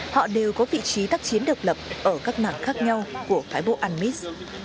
họ đều có vị trí tác chiến độc lập ở các mảng khác nhau của phái bộ anmis